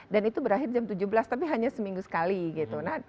dan itu berakhir jam tujuh belas tapi hanya seminggu sekali gitu